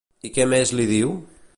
I què més li diu?